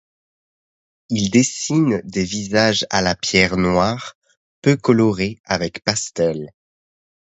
Il dessine des visages à la pierre noire, peu coloré avec pastel.